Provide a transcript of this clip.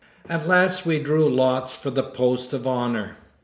At last we drew lots for the post of honor.